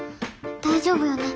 大丈夫よね。